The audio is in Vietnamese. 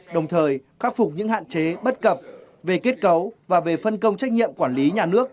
đồng thời khắc phục những hạn chế bất cập về kết cấu và về phân công trách nhiệm quản lý nhà nước